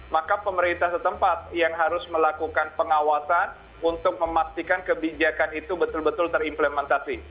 maka pemerintah setempat yang harus melakukan pengawasan untuk memastikan kebijakan itu betul betul terimplementasi